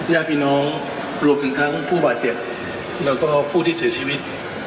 ญาติพี่น้องรวมถึงทั้งผู้บาดเจ็บแล้วก็ผู้ที่เสียชีวิต